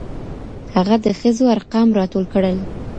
هغه د ښځو ارقام راټول کړل.